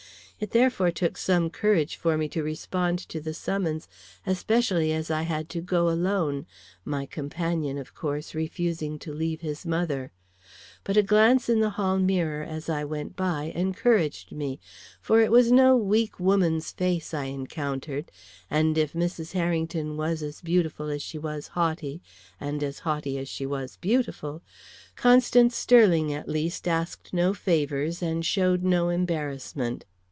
It therefore took some courage for me to respond to the summons, especially as I had to go alone, my companion, of course, refusing to leave his mother. But a glance in the hall mirror, as I went by, encouraged me, for it was no weak woman's face I encountered, and if Mrs. Harrington was as beautiful as she was haughty, and as haughty as she was beautiful, Constance Sterling at least asked no favors and showed no embarrassment.